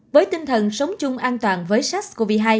với tinh thần sống chung an toàn với sars cov hai